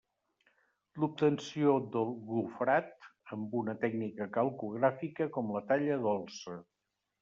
L’obtenció del gofrat amb una tècnica calcogràfica com la talla dolça.